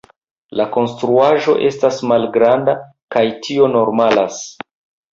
La konstruaĵo estas malgranda, kaj tio normalas.